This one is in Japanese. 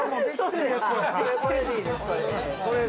これでいいです、これで。